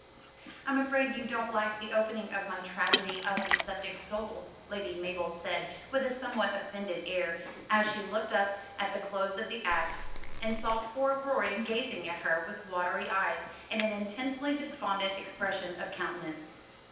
"I'm afraid you don't like the opening of my 'Tragedy of the Sceptic Soul'," Lady Mabel said with a somewhat offended air, as she looked up at the close of the act, and saw poor Rorie gazing at her with watery eyes, and an intensely despondent expression of countenance.